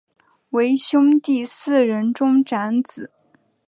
为兄弟四人中长子。